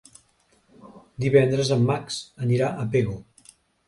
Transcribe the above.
Divendres en Max anirà a Pego.